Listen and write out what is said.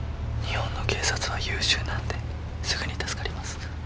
日本の警察は優秀なんですぐに助かります。